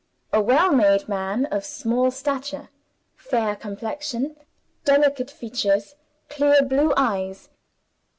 A well made man, of small stature. Fair complexion, delicate features, clear blue eyes.